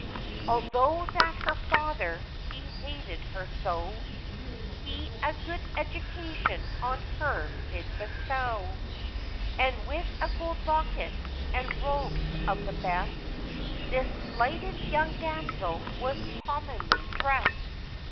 Although that her father he hated her so, He a good education on her did bestow; And with a gold locket, and robes of the best, This slighted young damsel was commonly dressed.